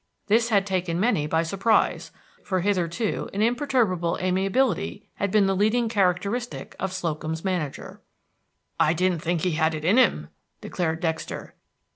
This had taken many by surprise, for hitherto an imperturbable amiability had been the leading characteristic of Slocum's manager. "I didn't think he had it in him," declared Dexter.